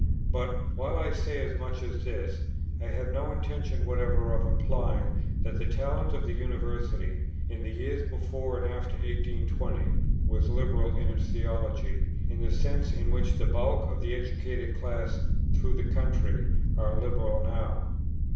But, while I say as much as this, I have no intention whatever of implying that the talent of the University, in the years before and after 1820, was liberal in its theology, in the sense in which the bulk of the educated classes through the country are liberal now.